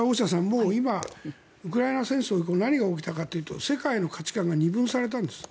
もう今、ウクライナ戦争で何が起きたかというと世界の価値観が二分されたんです。